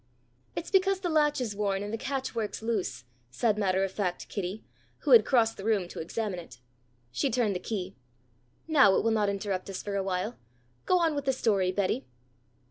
"It's because the latch is worn and the catch works loose," said matter of fact Kitty, who had crossed the room to examine it. She turned the key. "Now it will not interrupt us for awhile. Go on with the story, Betty."